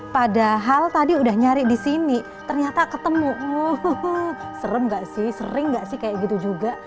padahal tadi udah nyari di sini ternyata ketemu serem gak sih sering nggak sih kayak gitu juga